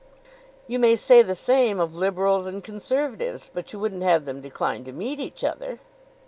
"You may say the same of Liberals and Conservatives, but you wouldn't have them decline to meet each other."